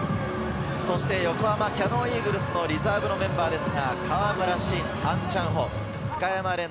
横浜キヤノンイーグルスのリザーブのメンバーです。